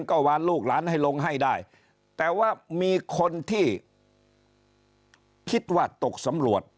ก็วานลูกหลานให้ลงให้ได้แต่ว่ามีคนที่คิดว่าตกสำรวจ